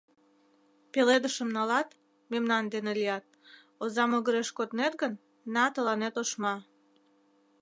— Пеледышым налат — мемнан дене лият, оза могыреш коднет гын, на тыланет ошма!